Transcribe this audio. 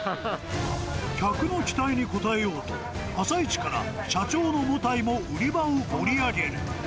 客の期待に応えようと、朝一から社長の茂田井も売り場を盛り上げる。